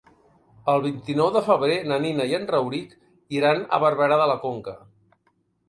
El vint-i-nou de febrer na Nina i en Rauric iran a Barberà de la Conca.